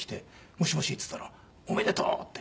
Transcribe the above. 「もしもし」って言ったら「おめでとう」って。